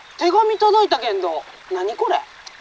「手紙届いたけんど何これ？」。